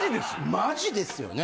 マジですよね。